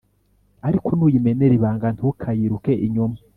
ariko nuyimenera ibanga, ntukayiruke inyuma